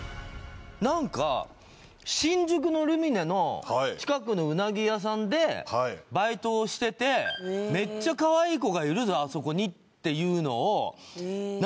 何か新宿のルミネの近くの鰻屋さんでバイトをしてて「めっちゃかわいい子がいるぞあそこに」っていうのを何？